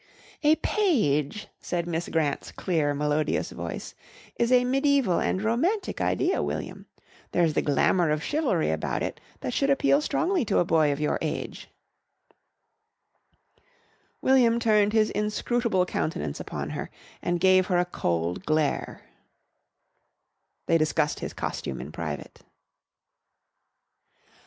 "A page," said Miss Grant's clear, melodious voice, "is a mediæval and romantic idea, William. There's the glamour of chivalry about it that should appeal strongly to a boy of your age." William turned his inscrutable countenance upon her and gave her a cold glare. They discussed his costume in private. [Illustration: "WOULD YOU LIKE TO GO TO COUSIN SYBIL'S WEDDING?"